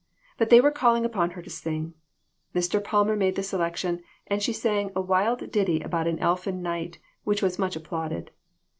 But they were calling upon her to sing. Mr. Palmer made the selection, and she sang a wild ditty about an elfin knight, which was much applauded.